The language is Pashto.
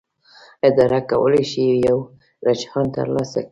اداره کولی شي یو رجحان ترلاسه کړي.